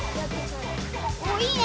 おいいね！